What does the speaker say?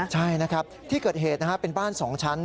ใช่นะครับที่เกิดเหตุเป็นบ้าน๒ชั้น